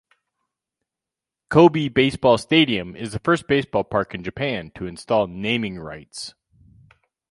Kobe Baseball Stadium is the first baseball park in Japan to install naming rights.